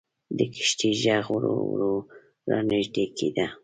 د کښتۍ ږغ ورو ورو را نژدې کېده.